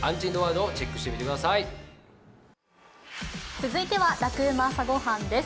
続いては「ラクうま！朝ごはん」です。